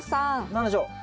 何でしょう？